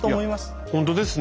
いやほんとですね。